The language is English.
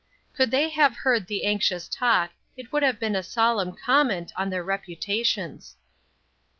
Could they have heard the anxious talk it would have been a solemn comment on their reputations.